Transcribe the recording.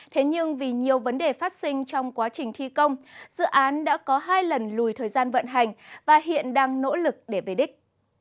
thế nhưng vì nhiều vấn đề phát sinh trong quá trình thi công dự án đã có hai lần lùi thời gian vận hành và hiện đang nỗ lực để về đích